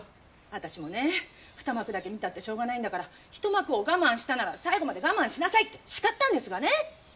私もね２幕だけ見たってしょうがないんだから１幕を我慢したなら最後まで我慢しなさいって叱ったんですがね。